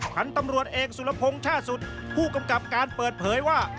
พันธุ์ตำรวจเอกสุรพงศ์ชาติสุดผู้กำกับการเปิดเผยว่า